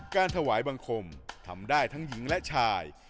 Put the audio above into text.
การถวายบังคมทำได้ทั้งหญิงและชาย